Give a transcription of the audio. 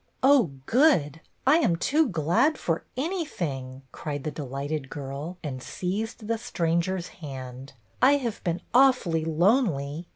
" Oh, good ! I am too glad for anything," cried the delighted girl, and seized the stranger's hand. " I have been awfully lonely."